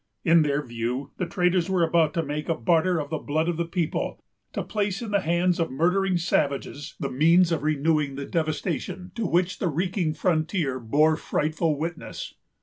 In their view, the traders were about to make a barter of the blood of the people; to place in the hands of murdering savages the means of renewing the devastation to which the reeking frontier bore frightful witness.